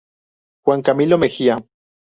Juan Camilo Mejía